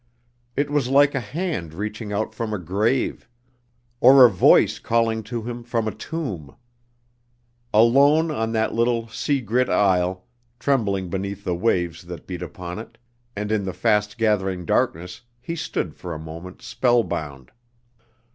It was like a hand reaching out from a grave, or a voice calling to him from a tomb. Alone on that little, sea grit isle, trembling beneath the waves that beat upon it, and in the fast gathering darkness he stood for a moment spellbound.